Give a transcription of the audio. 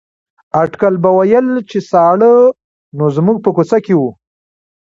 اټکل به ویل چې ساړه نو زموږ په کوڅه کې وو.